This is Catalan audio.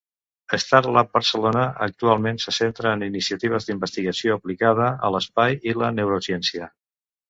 Starlab Barcelona actualment se centra en iniciatives d'investigació aplicada en l'espai i la neurociència.